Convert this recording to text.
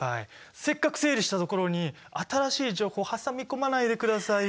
せっかく整理したところに新しい情報挟み込まないでくださいよ！